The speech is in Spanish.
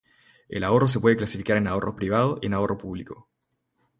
El ahorro se puede clasificar en ahorro privado y en ahorro público.